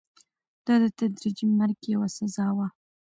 دا د تدریجي مرګ یوه سزا وه.